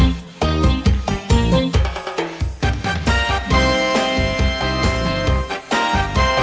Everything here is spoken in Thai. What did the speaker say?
ถ้ากลับมาเท่าไหร่